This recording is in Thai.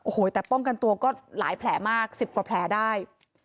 โอ้โหแต่ป้องกันตัวก็หลายแผลมาก๑๐กว่าแผลได้